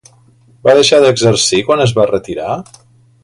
Va deixar d'exercir quan es va retirar?